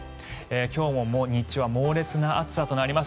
今日も日中は猛烈な暑さとなります。